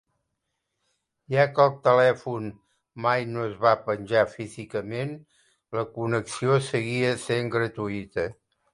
Ja que el telèfon mai no es va penjar físicament, la connexió seguia sent gratuïta.